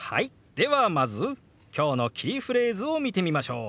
ではまず今日のキーフレーズを見てみましょう。